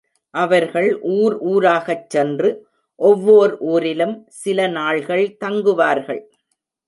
அவர்கள் ஊர் ஊராகச் சென்று, ஒவ்வோர் ஊரிலும் சில நாள்கள் தங்குவார்கள்.